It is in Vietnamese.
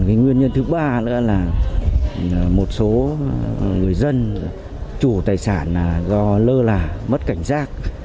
nguyên nhân thứ ba là một số người dân chủ tài sản do lơ là mất cảnh giác